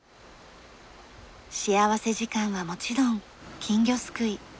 幸福時間はもちろん金魚すくい。